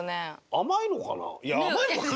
甘いのかな？